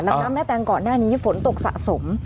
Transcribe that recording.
น้ำแม่แตงก่อนหน้านี้ฝนตกสะสม